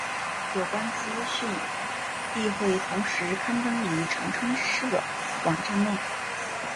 有关资讯亦会同时刊登于长春社网站内。